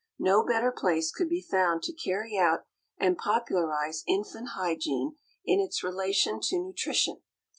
No better place could be found to carry out and popularize infant hygiene in its relation to nutrition.